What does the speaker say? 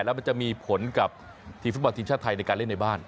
แล้วมันจะมีผลกับทีมฟุตบอลทีมชาติไทยในการเล่นในบ้าน